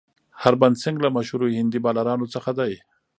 هربهن سنګ له مشهورو هندي بالرانو څخه دئ.